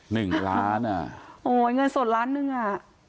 หนึ่งล้านอ่ะโอ้ยเงินสดล้านหนึ่งอ่ะ